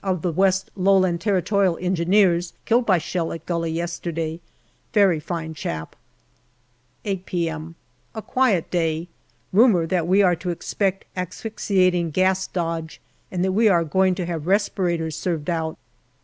of the West Lowland Territorial Engineers killed by shell at gully yesterday. Very fine chap. 8 p.m. A quiet day. Rumour that we are to expect asphyxi ating gas dodge, and that we are going to have respirators served out.